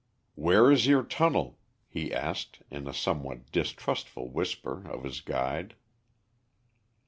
"Where is your tunnel?" he asked, in a somewhat distrustful whisper of his guide.